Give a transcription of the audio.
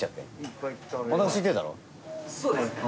そうですね。